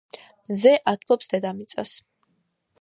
მზე ათბობს დედამიწას